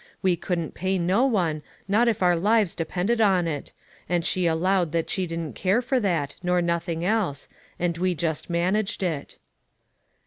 We couldn't pay no one, not if our lives depended on it ; and she allowed that she didn't care for that, nor nothing else ; and we just managed it."